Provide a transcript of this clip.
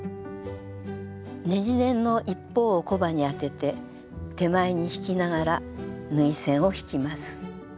ねじネンの一方をコバに当てて手前に引きながら縫い線を引きます。